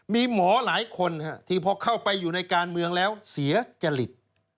มีหมอหลายคนที่พอเข้าไปอยู่ในการเมืองแล้วเสียจริต